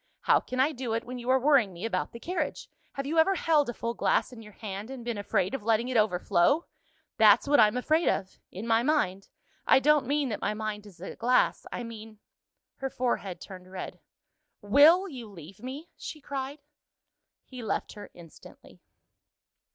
How can I do it when you are worrying me about the carriage? Have you ever held a full glass in your hand, and been afraid of letting it overflow? That's what I'm afraid of in my mind I don't mean that my mind is a glass I mean " Her forehead turned red. "Will you leave me?" she cried. He left her instantly.